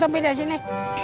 aduh sopi dari sini